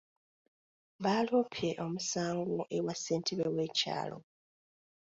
Baaloopye omusango ewa ssentebe w'ekyalo